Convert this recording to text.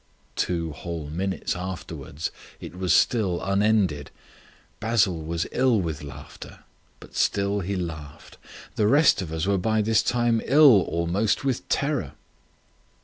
Two whole minutes afterwards it was still unended; Basil was ill with laughter; but still he laughed. The rest of us were by this time ill almost with terror.